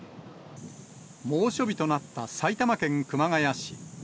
猛暑日となった埼玉県熊谷市。